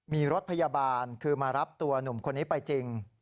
มีรถพยาบาลคือมารับตัวหนุ่มคนนี้ไปจริง